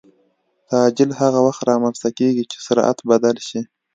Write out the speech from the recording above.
تعجیل هغه وخت رامنځته کېږي چې سرعت بدل شي.